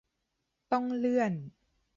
ต้องเลื่อน